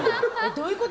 どういうこと？